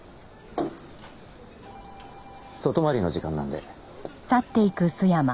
外回りの時間なんで。